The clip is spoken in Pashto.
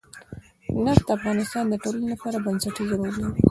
نفت د افغانستان د ټولنې لپاره بنسټيز رول لري.